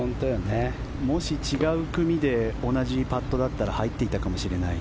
もし違う組で同じパットだったら入っていたかもしれない。